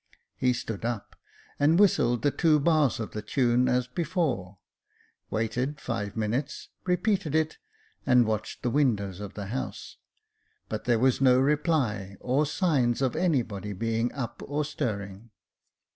He stood up, and whistled the two bars of the tune as before, waited five minutes, repeated it, and watched the windows of the house j but there was no reply, or signs of anybody being up or stirring.